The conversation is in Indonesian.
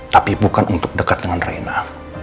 tapi bukan untuk dekat dengan reina